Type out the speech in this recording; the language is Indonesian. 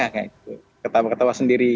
kayak ketawa ketawa sendiri